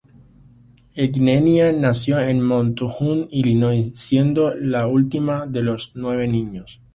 Eigenmann nació en Monmouth, Illinois, siendo la última de nueve niños.